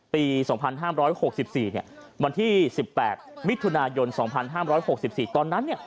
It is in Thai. ปี๒๕๖๔วันที่๑๘มิถุนายน๒๕๖๔ตอนนั้น